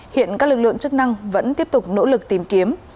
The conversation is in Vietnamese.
hiện các lực lượng chức năng vẫn tiếp tục nỗ lực tìm kiếm